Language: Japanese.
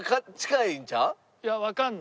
いやわからない。